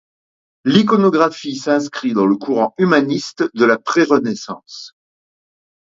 L'iconographie s'inscrit dans le courant humaniste de la pré-Renaissance.